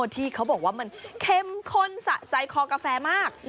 ที่เขาบอกว่ามันเข้มข้นสะใจคอกาแฟมาก